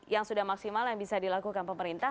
yang sudah maksimal yang bisa dilakukan pemerintah